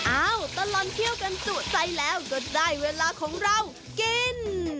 ตลอดเที่ยวกันจุใจแล้วก็ได้เวลาของเรากิน